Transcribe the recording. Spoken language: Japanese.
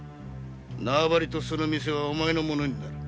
縄張とその店はお前の物になる。